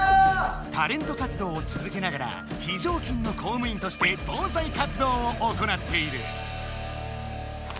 タレント活動をつづけながらひじょうきんの公務員としてぼうさい活動を行っている。